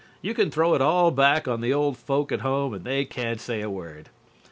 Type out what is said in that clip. You can throw it all back on the old folk at home and they can't say a word.